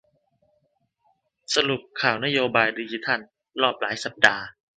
สรุปข่าวนโยบายดิจิทัลรอบหลายสัปดาห์